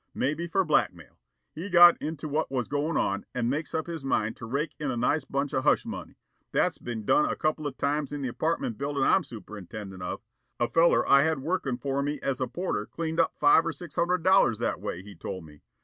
Maybe for blackmail. He got onto what was goin' on, and makes up his mind to rake in a nice bunch of hush money. That's been done a couple of times in the apartment buildin' I'm superintendent of. A feller I had workin' for me as a porter cleaned up five or six hundred dollars that way, he told me.